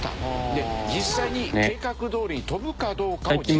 で実際に計画どおりに飛ぶかどうかを実験してみるという事。